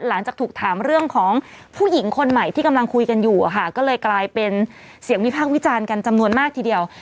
หลังจากถูกถามเรื่องของผู้หญิงคนใหม่ที่กำลังคุยกันอยู่อะค่ะก็เลยกลายเป็นเสียงวิพากษ์วิจารณ์กันจำนวนมากทีเดียว